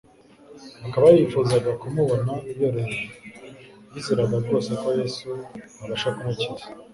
akaba yarifuzaga kumubona yorohewe. Yizeraga rwose ko Yesu abasha kUmukiza.